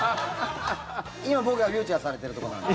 今、僕がフィーチャーされてるとこなんで。